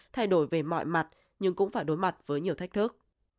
thay đổi về mọi mặt nhưng cũng phải đối mặt với nhiều thách thức